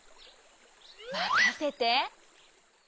まかせて！